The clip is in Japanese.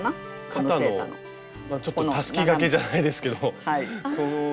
肩のちょっとたすきがけじゃないですけどその部分が。